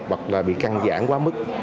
hoặc là bị căng dãn quá mức